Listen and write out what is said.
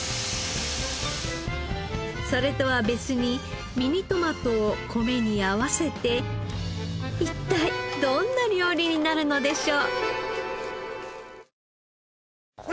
それとは別にミニトマトを米に合わせて一体どんな料理になるのでしょう？